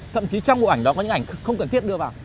thậm chí trong bộ ảnh đó có những ảnh không cần thiết đưa vào